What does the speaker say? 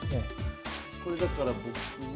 これだから僕は。